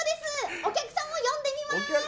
お客さんを呼んでみます。